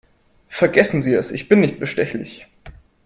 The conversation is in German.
Vergessen Sie es, ich bin nicht bestechlich.